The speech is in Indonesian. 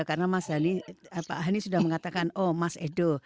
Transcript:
karena mas dhani pak hani sudah mengatakan oh mas edo